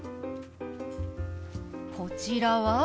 こちらは？